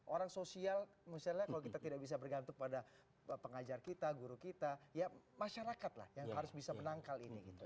orang sosial misalnya kalau kita tidak bisa bergantung pada pengajar kita guru kita ya masyarakat lah yang harus bisa menangkal ini gitu